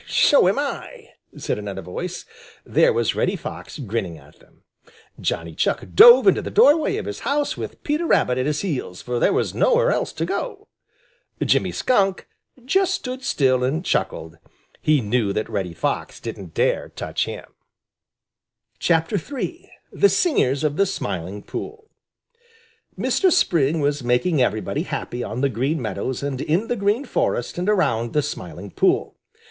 "So am I!" said another voice. There was Reddy Fox grinning at them. Johnny Chuck dove into the doorway of his house with Peter Rabbit at his heels, for there was nowhere else to go. Jimmy Skunk just stood still and chuckled. He knew that Reddy Fox didn't dare touch him. III. THE SINGERS OF THE SMILING POOL Mistress Spring was making everybody happy on the Green Meadows and in the Green Forest and around the Smiling Pool.